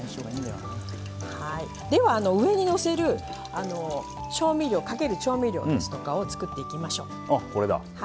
では、上にのせるかける調味料を作っていきましょう。